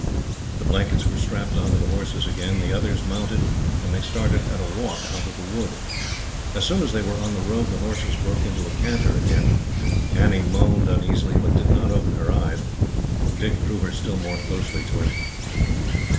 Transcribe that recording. The blankets were strapped on to the horses again, the others mounted, and they started, at a walk, out of the wood. As soon as they were on the road, the horses broke into a canter again. Annie moaned uneasily, but did not open her eyes. Dick drew her still more closely to him.